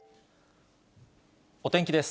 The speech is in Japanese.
お天気です。